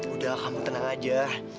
udah kamu tenang aja